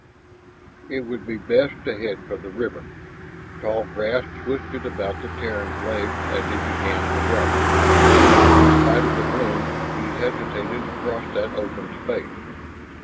It would be best to head for the river. Tall grass twisted about the Terran's legs as he began to run. In spite of the gloom, he hesitated to cross that open space.